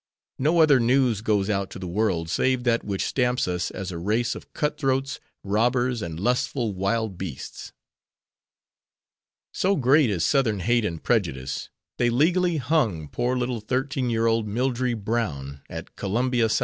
No other news goes out to the world save that which stamps us as a race of cutthroats, robbers and lustful wild beasts. So great is Southern hate and prejudice, they legally(?) hung poor little thirteen year old Mildrey Brown at Columbia, S.C.